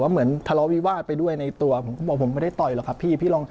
ว่าเหมือนทะเลาวิวาดไปด้วยในตัวบอกผมไม่ได้ต่อหรอครับพี่